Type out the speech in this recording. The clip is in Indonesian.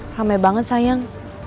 ramai banget sayang